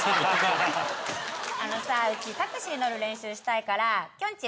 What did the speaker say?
あのさうちタクシー乗る練習したいからきょんちぃ